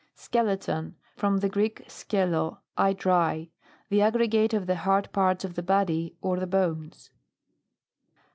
SKELETON. From the Greek, skello, I dry. The aggregate of the hard parts of the body, or the bones.